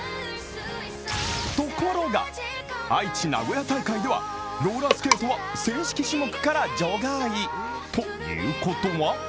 ところが、愛知・名古屋大会ではローラースケートは正式種目から除外ということは？